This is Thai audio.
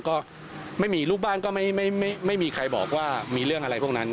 ก็ไม่มีลูกบ้านก็ไม่มีใครบอกว่ามีเรื่องอะไรพวกนั้น